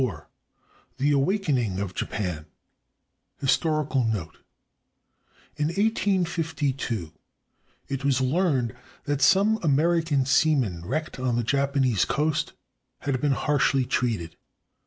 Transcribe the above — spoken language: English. IV THE AWAKENING OF JAPAN HISTORICAL NOTE In 1852 it was learned that some American seamen wrecked on the Japanese coast had been harshly treated.